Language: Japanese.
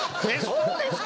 そうですか？